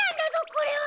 これは！？